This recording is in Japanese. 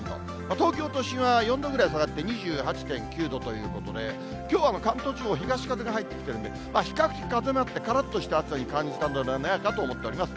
東京都心は４度ぐらい下がって２８．９度ということで、きょうは関東地方、東風が入ってきてるんで、比較的風があってからっとした暑さに感じたのではないかと思っています。